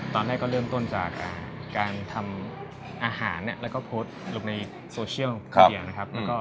ตอนแรกก็เริ่มต้นจากการทำอาหารแล้วก็โพสต์ลงในโซเชียลทีเดียวนะครับ